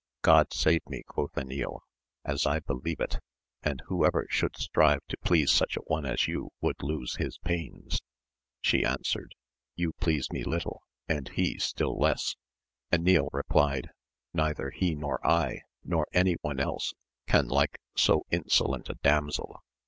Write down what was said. God save me, quoth Enil^ as I believe it ! and whoever should strive to please such a one as you would lose his pains. She answered^ You please me little, and he still less ! Enil replied, Neither he nor I nor any one else can like so insolent a damsel.